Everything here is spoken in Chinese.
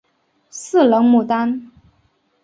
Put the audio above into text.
四棱牡丹